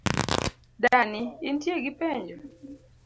Dani, intie gi penjo?